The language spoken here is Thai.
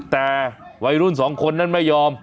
แต่วัยรุ่นสองคนนั้นไม่ยอม